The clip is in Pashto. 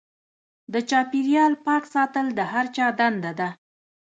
د چاپیریال پاک ساتل د هر چا دنده ده.